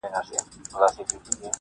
کندهار په وینو سور دی د زلمیو جنازې دي -